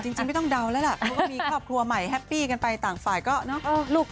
จริงไม่ต้องเดาแล้วล่ะเพราะว่ามีครอบครัวใหม่แฮปปี้กันไปต่างฝ่ายก็เนอะ